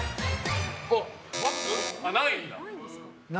ないんだ。